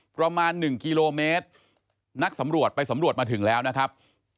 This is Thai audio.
ประมาณ๑กิโลเมตรนักสำรวจไปสำรวจมาถึงแล้วนะครับ